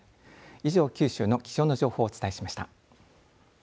以上、九州の気象の情報をお伝えしました。